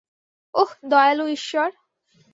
ওহ, দয়ালু ইশ্বর।